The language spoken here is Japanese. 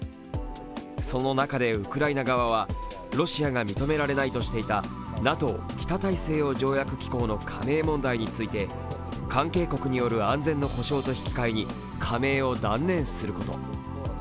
その中で、ウクライナ側はロシアが認められないとしていたＮＡＴＯ＝北大西洋条約機構の加盟問題について関係国による安全の保障と引き換えに加盟を断念すること。